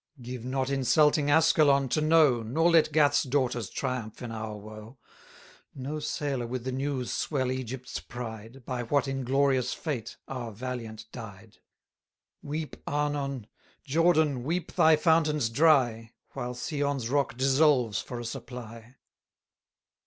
Give not insulting Askelon to know, Nor let Gath's daughters triumph in our woe; No sailor with the news swell Egypt's pride, By what inglorious fate our valiant died. Weep, Arnon! Jordan, weep thy fountains dry! While Sion's rock dissolves for a supply.